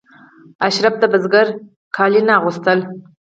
اشراف د بزګر جامې نه اغوستلې.